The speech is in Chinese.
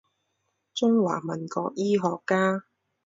中华民国医学家。